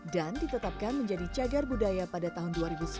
dan ditetapkan menjadi segar budaya pada tahun dua ribu sepuluh